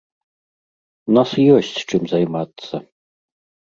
У нас ёсць, чым займацца.